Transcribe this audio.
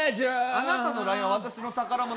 「あなたのＬＩＮＥは私の宝物」？